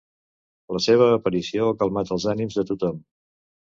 La seva aparició ha calmat els ànims de tothom.